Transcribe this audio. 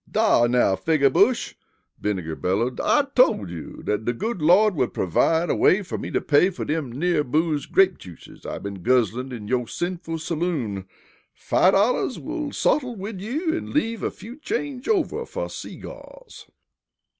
"Dar now, Figger Bush!" Vinegar bellowed. "I tole you dat de good Lawd would pervide a way fer me to pay fer dem near booze grape juices I been guzzlin' in yo' sinful saloom! Five dollars will sottle wid you an' leave a few change over fer seegaws."